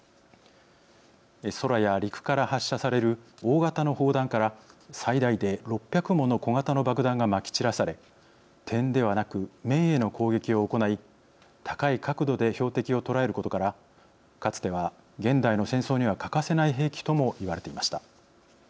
空や陸から発射される大型の砲弾から最大で６００もの小型の爆弾がまき散らされ点ではなく面への攻撃を行い高い確度で標的を捉えることからかつては現代の戦争には欠かせない兵器とも言われていました。